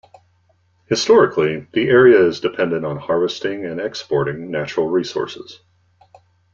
Historically the area is dependent on harvesting and exporting natural resources.